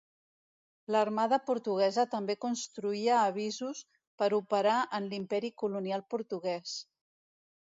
L'armada portuguesa també construïa avisos per operar en l'Imperi Colonial Portuguès.